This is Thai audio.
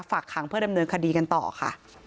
ฝากขังเพื่อดำเนินคดีกันต่อค่ะ